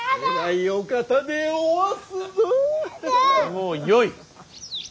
もうよい。